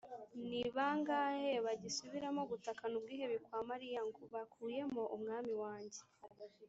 ni bangahe bagisubiramo gutakana ubwihebe kwa mariya ngo, «bakuyemo umwami wanjye